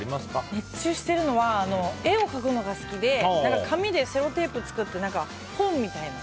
熱中してるのは絵を描くのが好きで紙でセロテープ使って本みたいな。